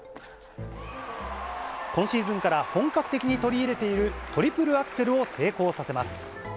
今シーズンから本格的に取り入れているトリプルアクセルを成功させます。